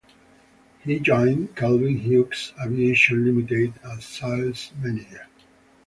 He joined Kelvin-Hughes Aviation Limited as sales manager.